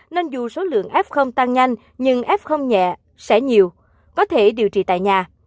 nên dù số lượng f tăng nhanh nhưng f không nhẹ sẽ nhiều có thể điều trị tại nhà